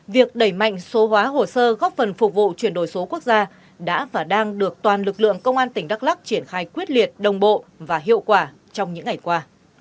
việc đẩy mạnh số hóa hồ sơ góp phần phục vụ chuyển đổi số quốc gia đã và đang được toàn lực lượng công an tỉnh đắk lắc triển khai quyết liệt đồng bộ và hiệu quả trong những ngày qua